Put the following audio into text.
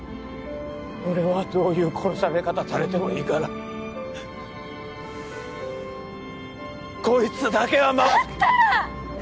俺はどういう殺され方されてもいいからこいつだけはだったら！